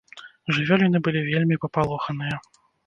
Жывёліны былі вельмі папалоханыя.